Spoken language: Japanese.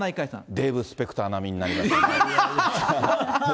デーブ・スペクター並みになりましたが。